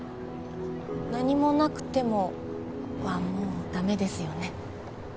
何もなくてもはもうダメですよね